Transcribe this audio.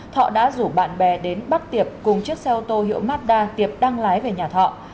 thọ đã rủ bạn bè đến bắt tiệp cùng chiếc xe ô tô hiệu mazda tiệp đang lái về nhà thọ